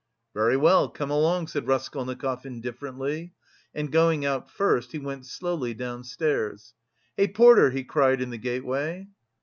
"Very well, come along," said Raskolnikov indifferently, and going out first, he went slowly downstairs. "Hey, porter," he cried in the gateway.